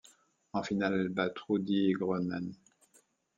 En finale, elle bat Trudy Groenman.